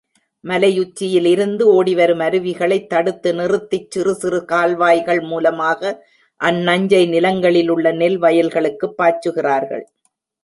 மலையுச்சியிலிருந்து ஓடிவரும் அருவிகளைத் தடுத்து நிறுத்திச் சிறுசிறு கால்வாய்கள் மூலமாக அந் நஞ்சை நிலங்களிலுள்ள நெல் வயல்களுக்குப் பாய்ச்சுகிறார்கள்.